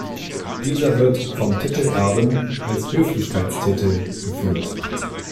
Dieser wird vom Titelerben als Höflichkeitstitel geführt.